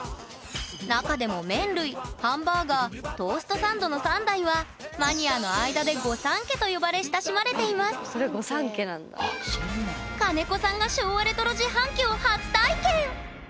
中でも麺類ハンバーガートーストサンドの３台はマニアの間で御三家と呼ばれ親しまれています金子さんが昭和レトロ自販機を初体験！